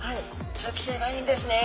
通気性がいいんですね。